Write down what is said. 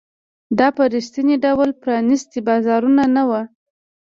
دا په رښتیني ډول پرانیستي بازارونه نه وو.